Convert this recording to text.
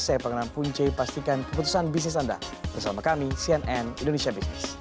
saya pangeran punce pastikan keputusan bisnis anda bersama kami cnn indonesia business